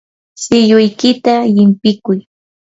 shilluykita llimpikuy.